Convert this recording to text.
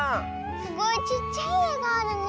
すごいちっちゃいえがあるね。